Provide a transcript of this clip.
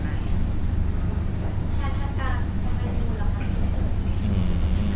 แค่ท่านการท่านการดูหรือคะ